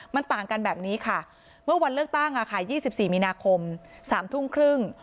มันต่างกันแบบนี้ค่ะเมื่อวันเลือกตั้ง๒๔มีนาคม๓ทุ่มครึ่ง